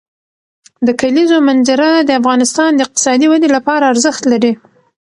د کلیزو منظره د افغانستان د اقتصادي ودې لپاره ارزښت لري.